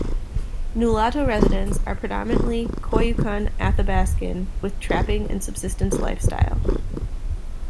Nulato residents are predominantly Koyukon Athabascan with trapping and subsistence lifestyle.